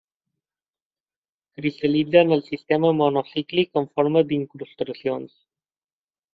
Cristal·litza en el sistema monoclínic en forma d'incrustacions.